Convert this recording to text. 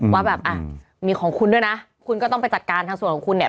ว่าแบบอ่ะมีของคุณด้วยนะคุณก็ต้องไปจัดการทางส่วนของคุณเนี่ย